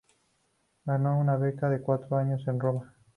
Ganó una beca de cuatro años a Roma.